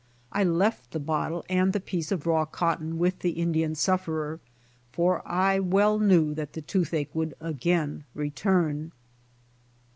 I left the bottle and the piece of raw cotton with the Indian sufferer, for I well knew that the toothache would again return.